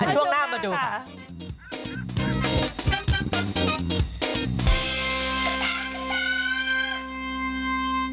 ช่วงหน้ามาดูค่ะ